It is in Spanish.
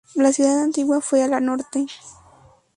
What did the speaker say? La ciudad antigua fue a la norte.